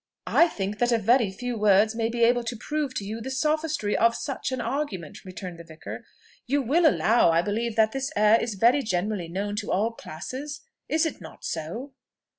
"I think that a very few words may be able to prove to you the sophistry of such an argument," returned the vicar. "You will allow, I believe, that this air is very generally known to all classes. Is it not so?"